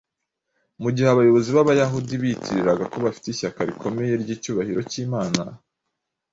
Mu gihe abayobozi b’Abayahudi biyitiriraga ko bafite ishyaka rikomeye ry’icyubahiro cy’Imana